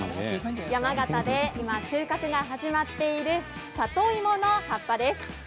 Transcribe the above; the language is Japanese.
山形で今、収穫が始まっている里芋の葉っぱです。